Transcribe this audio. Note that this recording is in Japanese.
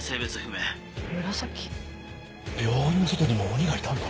病院の外にも鬼がいたんだ。